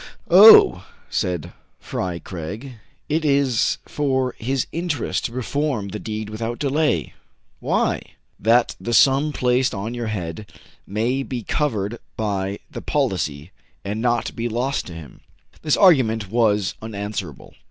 *'0h," said Fry Craig, "it is for his interest to perform the deed without delay !*' "Why.?" "That the sum placed on your head may be covered by the policy, and not be lost to him." This argument was unanswerable.